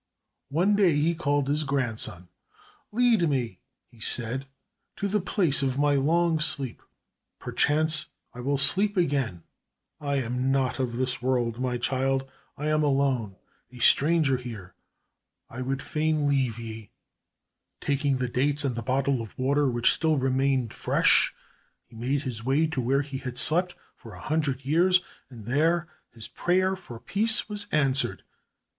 One day he called his grandson. "Lead me," he said, "to the place of my long sleep. Perchance I will sleep again. I am not of this world, my child. I am alone, a stranger here, and would fain leave ye." Taking the dates and the bottle of water which still remained fresh, he made his way to where he had slept for a hundred years, and there his prayer for peace was answered.